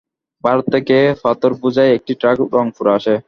ভারত থেকে পাথরবোঝাই একটি ট্রাক রংপুরে আসে।